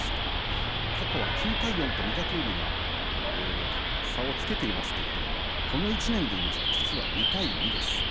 過去は９対４と御嶽海が差をつけていますがこの１年でいいますと実は２対２です。